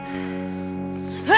ke orang tinggi orang seluruh lu baru